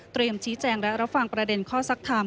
เตรียมชี้แจงและระฟังประเด็นข้อซักถาม